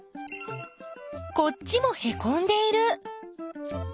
こっちもへこんでいる！